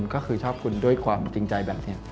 ก็คือชอบคุณด้วยความจริงใจแบบนี้